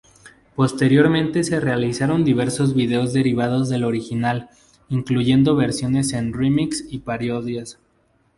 Posteriormente se realizaron diversos vídeos derivados del original, incluyendo versiones en remix y parodias.